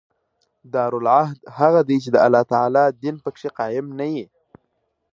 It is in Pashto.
دارالعهد هغه دئ، چي د الله تعالی دین په کښي قایم نه يي.